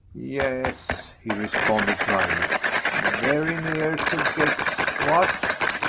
"Yes," he responded dryly. "Very near to Gex, what?"